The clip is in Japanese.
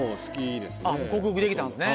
克服できたんですね。